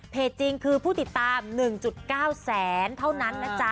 จริงคือผู้ติดตาม๑๙แสนเท่านั้นนะจ๊ะ